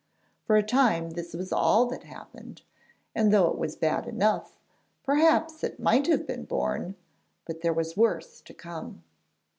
For a time this was all that happened, and though it was bad enough, perhaps it might have been borne; but there was worse to come.